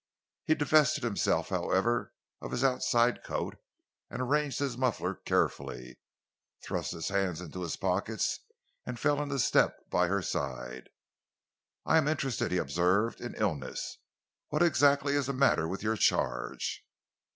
He divested himself, however, of his outside coat, arranged his muffler carefully, thrust his hands into his pockets, and fell into step by her side. "I am interested," he observed, "in illness. What exactly is the matter with your charge?"